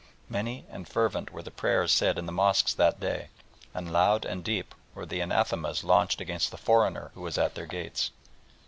Many and fervent were the prayers said in the mosques that day, and loud and deep were the anathemas launched against the foreigner who was at their gates.